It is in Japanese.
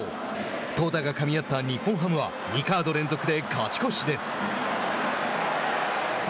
投打がかみ合った日本ハムは２カード連続で勝ち越しです。